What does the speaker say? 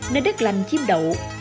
nơi đất lành chim đậu